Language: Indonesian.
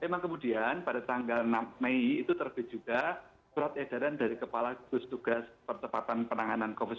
memang kemudian pada tanggal enam mei itu terbit juga surat edaran dari kepala gugus tugas percepatan penanganan covid sembilan belas